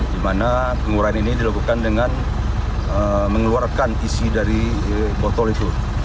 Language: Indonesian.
di mana pengurahan ini dilakukan dengan mengeluarkan isi dari botol itu